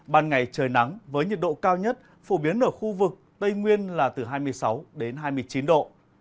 ban ngày trời nắng với nhiệt độ cao nhất phổ biến ở khu vực tây nguyên là từ hai mươi sáu đến hai mươi chín độ